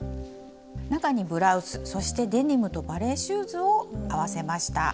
中にブラウスそしてデニムとバレエシューズを合わせました。